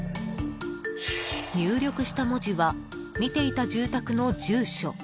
［入力した文字は見ていた住宅の住所］